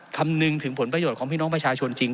คำนึงถึงผลประโยชน์ของพี่น้องประชาชนจริง